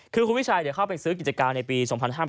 คือคุณวิชัยเข้าไปซื้อกิจการในปี๒๕๕๘